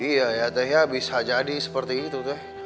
iya ya teh ya bisa jadi seperti itu deh